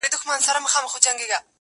o د سترگو د ملا خاوند دی.